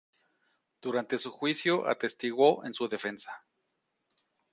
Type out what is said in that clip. Durante su juicio, atestiguó en su defensa.